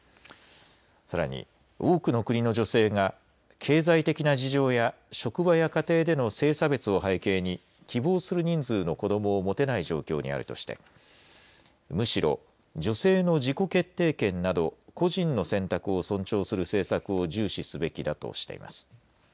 さらに多くの国の女性が経済的な事情や職場や家庭での性差別を背景に希望する人数の子どもを持てない状況にあるとしてむしろ女性の自己決定権など個人の選択を尊重する政策を重視すべきだとしています。